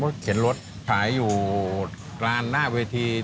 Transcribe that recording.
เขาเข็นรถขายอยู่ร้านหน้าเวที